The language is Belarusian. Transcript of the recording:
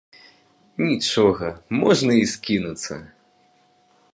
Нічога, можна і скінуцца.